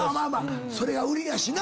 それが売りやしな。